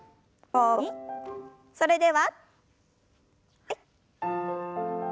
それでははい。